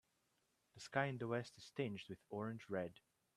The sky in the west is tinged with orange red.